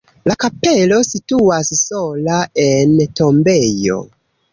La kapelo situas sola en tombejo.